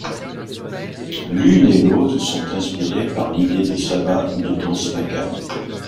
L'une et l'autre sont inspirées par l'idée de sabbat ou de Danse macabre.